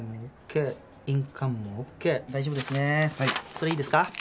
それいいですか？